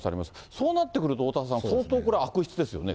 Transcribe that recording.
そうなってくると、おおたわさん、これ相当悪質ですよね。